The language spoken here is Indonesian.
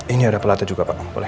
ini ada pelatih juga pak boleh